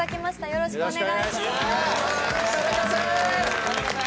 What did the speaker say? よろしくお願いします